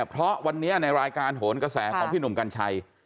เพราะวันนี้ในรายการโหนกระแสของพี่หนุ่มกัญชัย